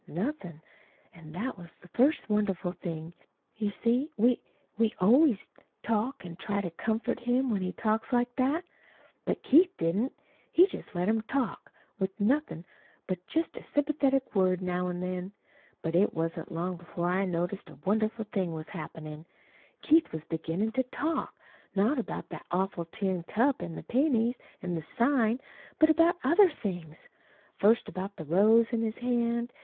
"Nothin'. An' that was the first wonderful thing. You see, we we always talk an' try to comfort him when he talks like that. But Keith didn't. He just let him talk, with nothin' but just a sympathetic word now an' then. But it wasn't long before I noticed a wonderful thing was happenin'. Keith was beginnin' to talk not about that awful tin cup an' the pennies an' the sign, but about other things; first about the rose in his hand.